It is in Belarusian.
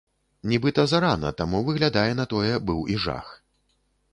Нібыта зарана, таму, выглядае на тое, быў і жах.